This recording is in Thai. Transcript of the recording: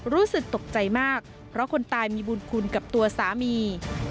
รู้สึกตกใจมากเพราะคนตายมีบุญคุณกับตัวสามี